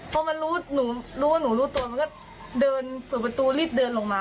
เพราะมันรู้ว่าหนูรู้ตัวมันก็เดินเผื่อประตูรีบเดินลงมา